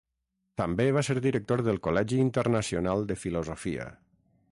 També va ser director del Col·legi Internacional de Filosofia.